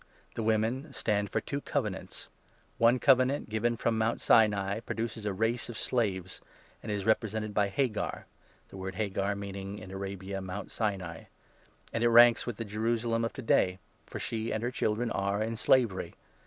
The women stand for two Covenants. One Covenant, given from Mount Sinai, produces a race of slaves and is represented by Hagar (the word Hagar meaning 25 in Arabia Mount Sinai) and it ranks with the Jerusalem of to day, for she and her children are in slavery.